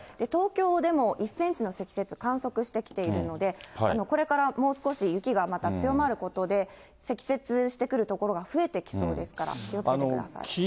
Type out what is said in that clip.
東京でも１センチの積雪、観測してきているので、これからもう少し雪がまた強まることで、積雪してくる所が増えてきそうですから気をつけてください。